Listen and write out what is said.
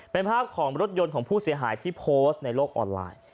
เป็นภาพของรถยนต์ของผู้เสียหายที่โพสต์ในโลกออนไลน์